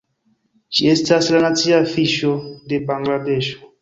Ĝi estas la nacia fiŝo de Bangladeŝo.